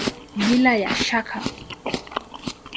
Bila ya shaka!